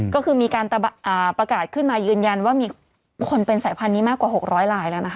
ก็คือมีการประกาศขึ้นมายืนยันว่ามีคนเป็นสายพันธุ์นี้มากกว่า๖๐๐ลายแล้วนะคะ